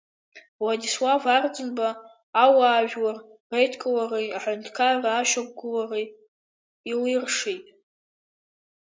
Владислав Арӡынба ауаажәлар реидкылареи, аҳәынҭқарра ашьақәыргылареи илиршеит.